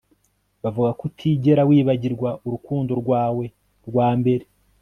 bavuga ko utigera wibagirwa urukundo rwawe rwa mbere